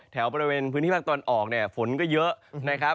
แถวบริเวณพื้นที่พักตอนออกฝนก็เยอะ